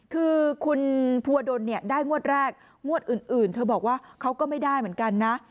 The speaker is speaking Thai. คือคุณภูวดลเนี่ยได้งวดแรกงวดอื่นเธอบอกว่าเขาก็ไม่ได้เหมือนกันนะ